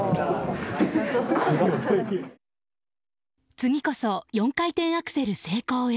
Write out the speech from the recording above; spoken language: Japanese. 次こそ４回転アクセル成功へ。